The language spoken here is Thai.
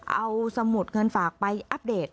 เอาสมุดเงินฝากไปอัปเดต